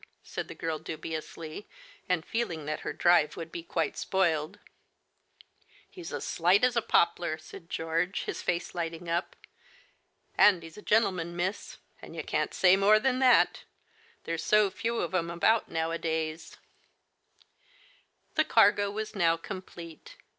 " said the girl dubiously, and feel ing that her drive would be quite spoiled. " He's as slight as a poplar," said George, his face lightening up, and he's a gentleman, miss, Digitized by Google 4 THE FATE OF FEN ELL A. and you can't say more than that. There's so few of 'em about nowadays !" The cargo was now complete.